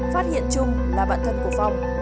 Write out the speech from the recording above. phát hiện chung là bạn thân của phong